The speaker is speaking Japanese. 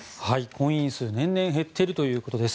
婚姻数、年々減っているということです。